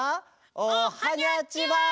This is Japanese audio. おはにゃちは！